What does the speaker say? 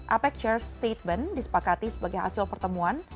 apec chair statement disepakati sebagai hasil pertemuan